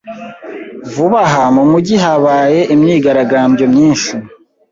Vuba aha mu mujyi habaye imyigaragambyo myinshi.